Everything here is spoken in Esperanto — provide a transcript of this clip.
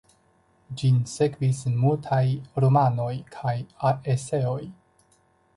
Ĝin sekvis multaj romanoj kaj eseoj.